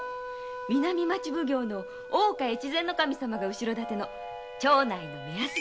南町奉行の大岡様が後ろ盾の町内の目安箱なの。